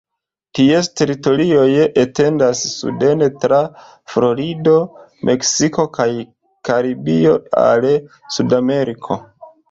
Ties teritorioj etendas suden tra Florido, Meksiko kaj Karibio al Sudameriko.